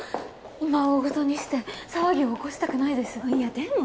今大ごとにして騒ぎを起こしたくないですいやでも！